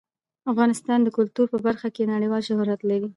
افغانستان د کلتور په برخه کې نړیوال شهرت لري.